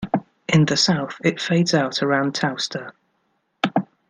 In the south, it fades out around Towcester.